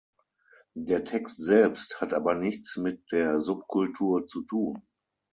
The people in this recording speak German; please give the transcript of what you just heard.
Der Text selbst hat aber nichts mit der Subkultur zu tun.